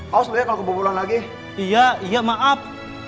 kau sudah kalau kebobolan lagi iya iya maaf